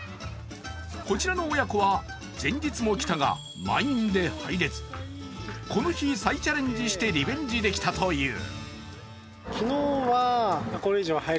こちらの親子は、前日も来たが満員で入れずこの日、再チャレンジしてリベンジできたという。